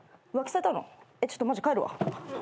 えっちょっとマジ帰るわ。